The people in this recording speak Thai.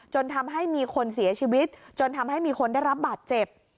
จนทำให้มีคนเสียชีวิตจนทำให้มีคนได้รับบาดเจ็บ